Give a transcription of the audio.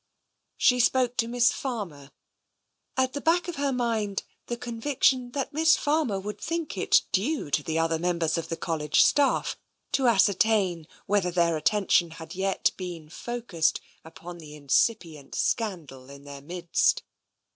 She spoke to Miss Farmer, at the back of her mind the conviction that Miss Farmer would think it due to the other members of the College staff to ascertain whether their attention had yet been focussed upon the incipient scandal in their midst.